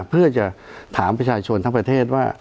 เพื่อจะถามประชาชนทั้งประเทศว่า